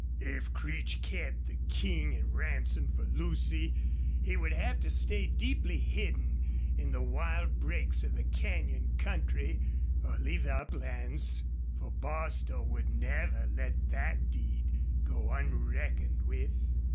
If Creech kept the King in ransom for Lucy he would have to stay deeply hidden in the wild breaks of the canyon country or leave the uplands. For Bostil would never let that deed go unreckoned with.